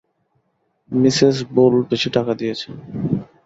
Mrs Bull বেশী টাকা দিয়েছেন।